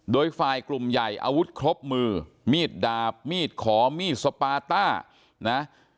โดยฝ่ายกลุ่มใหญ่อาวุธครบมือมีดดาบมีดขอมีดสปาต้านะ